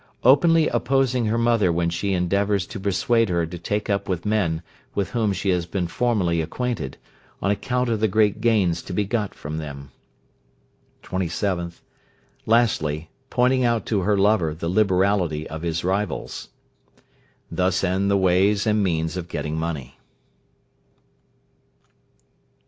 Openly opposing her mother when she endeavours to persuade her to take up with men with whom she has been formerly acquainted, on account of the great gains to be got from them. 27th. Lastly, pointing out to her lover the liberality of his rivals. Thus end the ways and means of getting money.